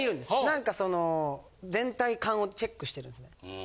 何かその全体感をチェックしてるんです。